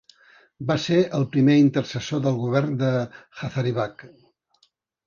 Va ser el primer intercessor del govern de Hazaribagh.